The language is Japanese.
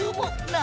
な